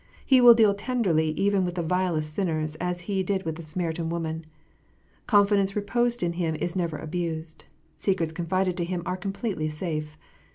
He will deal tenderly even with the vilest sinners, as He did with the Samaritan woman. Confidence reposed in Him is never abused : secrets confided to Him are completely safe.